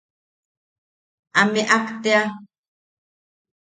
A meak tea.